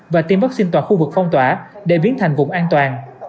và tiêm vaccine toàn khu vực phong tỏa để biến thành vùng an toàn